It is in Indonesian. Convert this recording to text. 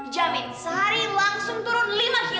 jamin sehari langsung turun lima kilo